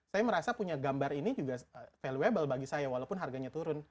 saya merasa punya gambar ini juga valuable bagi saya walaupun harganya turun